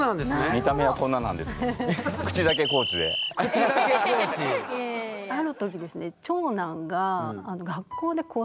見た目はこんななんですけどある時ですね